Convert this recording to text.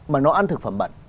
mà nó ăn thực phẩm bẩn